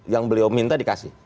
yang beliau minta dikasih